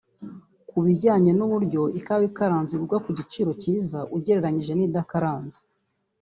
Ku bijyanye n’uburyo kawa ikaranze igurwa ku giciro cyiza ugereranije n’idakaranze